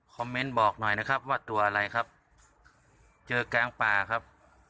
เมนต์บอกหน่อยนะครับว่าตัวอะไรครับเจอกลางป่าครับ